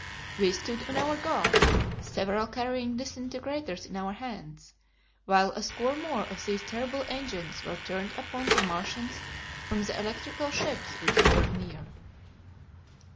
We stood on our guard, several carrying disintegrators in our hands, while a score more of these terrible engines were turned upon the Martians from the electrical ships which hovered near.